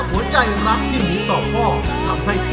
โดยการแข่งขาวของทีมเด็กเสียงดีจำนวนสองทีม